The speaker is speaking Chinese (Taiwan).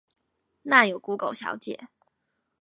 那有估狗小姐